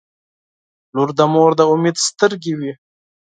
• لور د مور د امید سترګې وي.